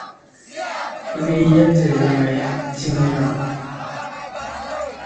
Pege gyɛ́ tsɛ̀ɛ làŋa yɔɔn tsíŋe jʉʼɔɔn.